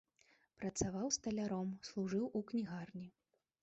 Працаваў сталяром, служыў у кнігарні.